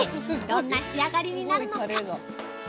どんな仕上がりになるのか。